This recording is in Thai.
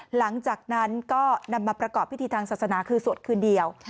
หลังจากนั้นก็นำมาประกอบพิธีทางศาสนาคือสวดคืนเดียว